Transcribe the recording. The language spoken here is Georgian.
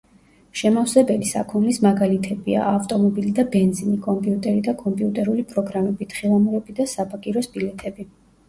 შემავსებელი საქონლის მაგალითებია: ავტომობილი და ბენზინი, კომპიუტერი და კომპიუტერული პროგრამები, თხილამურები და საბაგიროს ბილეთები.